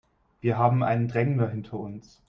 Wir haben einen Drängler hinter uns.